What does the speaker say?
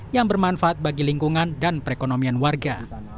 yang bermanfaat bagi lingkungan dan perekonomian warga